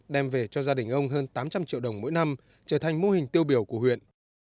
đem về cho gia đình ông hơn tám trăm linh triệu đồng mỗi năm trở thành mô hình tiêu biểu của huyện